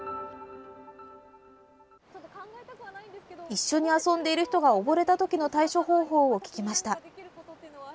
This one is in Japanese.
一緒に遊んでいる人が溺れたときの対処方法を聞きました。